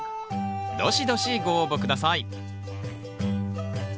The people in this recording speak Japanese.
どしどしご応募下さい。